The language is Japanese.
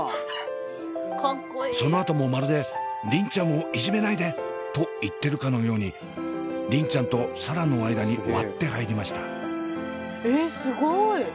そのあともまるで「梨鈴ちゃんをいじめないで！」と言っているかのように梨鈴ちゃんと紗蘭の間に割って入りました。